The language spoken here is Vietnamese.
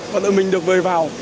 và được mình được về vào